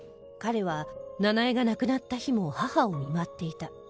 彼は奈々江が亡くなった日も母を見舞っていた